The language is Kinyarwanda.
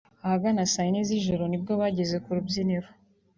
Ahagana saa yine z’ijoro nibwo bageze ku rubyiniro